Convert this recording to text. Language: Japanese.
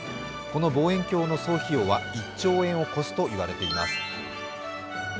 この望遠鏡の総費用は１兆円を超すと言われています。